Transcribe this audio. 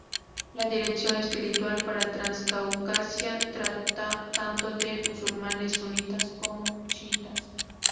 La Dirección Espiritual para Transcaucasia trata tanto de musulmanes sunitas como chiítas.